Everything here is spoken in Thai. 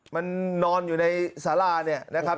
มันนอนอยู่ในสาราเนี่ยนะครับ